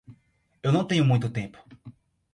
Eu não tenho muito tempo